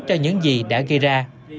cho những gì đã ghi ra